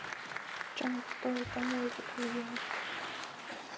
战斗单位的雇用。